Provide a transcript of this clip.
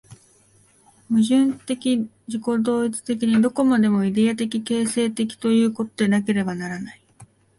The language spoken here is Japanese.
矛盾的自己同一的に、どこまでもイデヤ的形成的ということでなければならない。